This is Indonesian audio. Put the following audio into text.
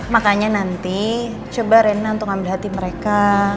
makanya nanti coba rena untuk ngambil hati mereka